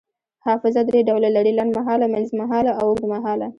حافظه دری ډولونه لري: لنډمهاله، منځمهاله او اوږدمهاله